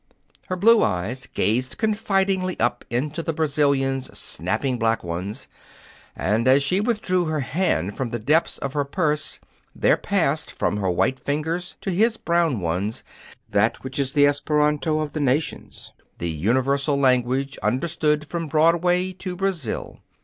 Her blue eyes gazed confidingly up into the Brazilian's snapping black ones, and as she withdrew her hand from the depths of her purse, there passed from her white fingers to his brown ones that which is the Esperanto of the nations, the universal language understood from Broadway to Brazil.